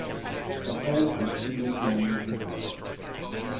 The homes are single-family detached.